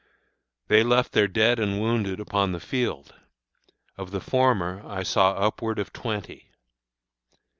They left their dead and wounded upon the field; of the former I saw upward of twenty.